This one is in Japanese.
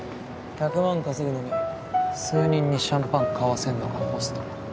１００万稼ぐのに数人にシャンパン買わせんのがホスト。